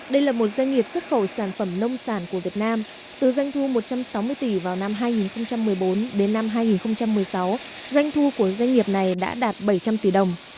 đây là một doanh nghiệp xuất khẩu sản phẩm nông sản của việt nam từ doanh thu một trăm sáu mươi tỷ vào năm hai nghìn một mươi bốn đến năm hai nghìn một mươi sáu doanh thu của doanh nghiệp này đã đạt bảy trăm linh tỷ đồng